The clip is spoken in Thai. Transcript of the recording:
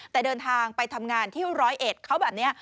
แต่เดินทางไปทำงานที่ร้อยเอ็ดเขาแบบนี้